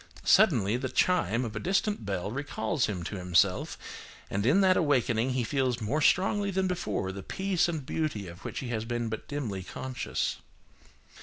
Suddenly, the chime of a distant bell recalls him to himself, and in that awakening he feels more strongly than before the peace and beauty of which he has been but dimly conscious.